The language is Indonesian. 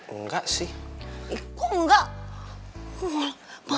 engga sih kok engga